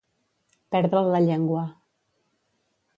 Perdre'l la llengua.